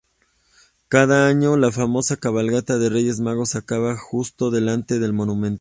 Cada año, la famosa cabalgata de Reyes Magos, acaba justo delante del monumento.